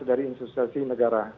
dari institusi negara